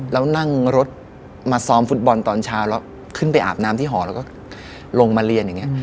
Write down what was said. แล้วนั่งรถมาซ้อมฟุตบอลตอนเช้าแล้วขึ้นไปอาบน้ำที่หอแล้วก็ลงมาเรียนอย่างนี้